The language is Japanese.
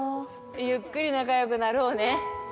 ゆっくり仲よくなろうね。